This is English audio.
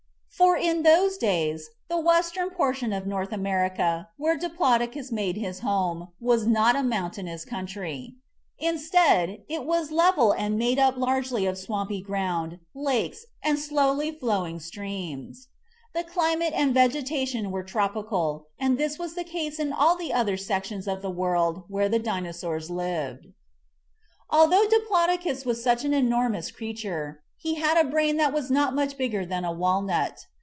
For in those days the western portion of North America, where Diplodocus made his home, was not a mountainous country. Instead, it was level and made up largely of swampy ground, lakes, and slowly flowing streams. The climate and vegeta tion were tropical, and this was the case in all the other sections of the world where the Dinosaurs lived. Although Diplodocus was such an enormous creature, he had a brain that was not much bigger than a walnut.